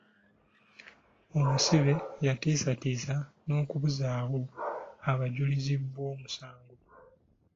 Omusibe yatiisatiisa n’okubuzaawo abajulizi bw’omusango.